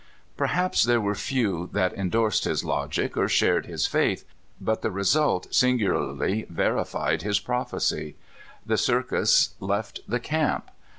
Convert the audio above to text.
Perhaps there were few that indorsed his logic, or shared his faith, but the result singularly veri fied his prophecy. The circus left the camp.